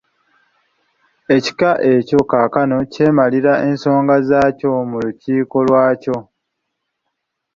Ekika ekyo kaakano kyemalira ensonga zaakyo mu Lukiiko lwakyo.